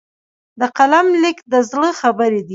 د قلم لیک د زړه خبرې دي.